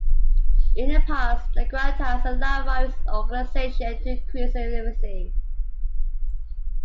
In the past the grant has allowed various organization to increase efficiency.